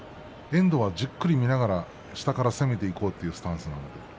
遠藤はじっくりと相手を見ながら下から攻めていこうというスタンスです。